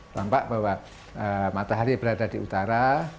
tampak bahwa matahari berada di utara